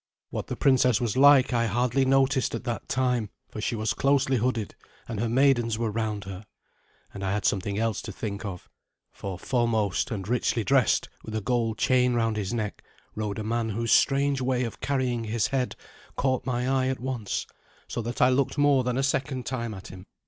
What the princess was like I hardly noticed at that time, for she was closely hooded, and her maidens were round her. And I had something else to think of; for foremost, and richly dressed, with a gold chain round his neck, rode a man whose strange way of carrying his head caught my eye at once, so that I looked more than a second time at him.